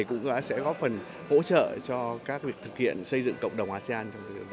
cũng sẽ góp phần hỗ trợ cho các việc thực hiện xây dựng cộng đồng asean